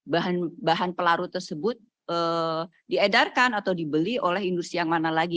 bahan bahan pelarut tersebut diedarkan atau dibeli oleh industri yang mana lagi